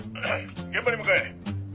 現場に向かえ。